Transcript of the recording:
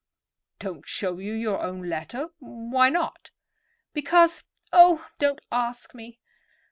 "Don't show you your own letter? Why not?" "Because—oh, don't ask me."